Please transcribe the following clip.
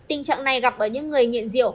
tình trạng này gặp ở những người nghiện rượu